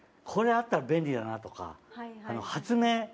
これあったら便利だなとか発明。